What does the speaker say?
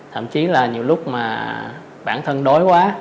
thậm chí là nhiều lúc mà bản thân đói quá